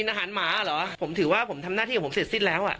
อาหารหมาเหรอผมถือว่าผมทำหน้าที่ของผมเสร็จสิ้นแล้วอ่ะ